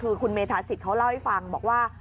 คือคุณเมธาสิทธิเขาเล่าให้ฟังบอกว่า